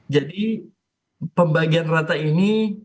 jadi pembagian rata ini